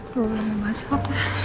dulu mau masuk